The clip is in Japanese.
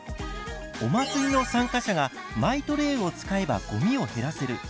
お祭りの参加者がマイトレイを使えばごみを減らせる。